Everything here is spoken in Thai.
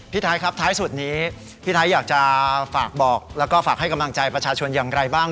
ไทยครับท้ายสุดนี้พี่ไทยอยากจะฝากบอกแล้วก็ฝากให้กำลังใจประชาชนอย่างไรบ้าง